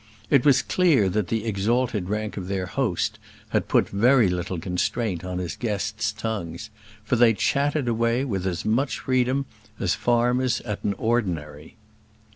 It was clear that the exalted rank of their host had put very little constraint on his guests' tongues, for they chatted away with as much freedom as farmers at an ordinary.